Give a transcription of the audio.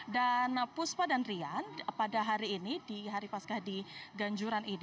dan puspa dan rian pada hari ini di hari pascah di ganjuran